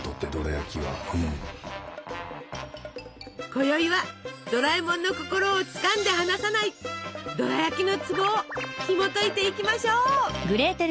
こよいはドラえもんの心をつかんで離さないドラやきのツボをひもといていきましょう！